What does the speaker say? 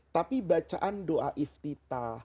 tapi bacaan doa iftita